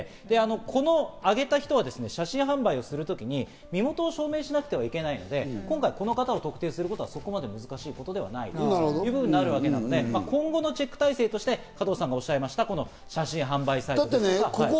で、この上げた人は写真販売をするときに身元を証明しなくてはいけないので今回、この方を特定することはそこまで難しいことではないということになるので、今後のチェック体制として加藤さんがおっしゃいました写真販売サイト。